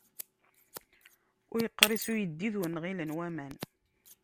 Ur yeqqirṣ uyeddid, ur nɣilen waman.